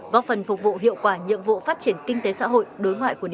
góp phần phục vụ hiệu quả nhiều